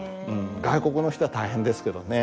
外国の人は大変ですけどね。